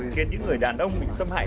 khiến những người đàn ông bị xâm hại